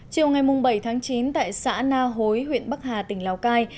chiều ngày bảy tháng chín tại xã na hối huyện bắc hà tỉnh lào cai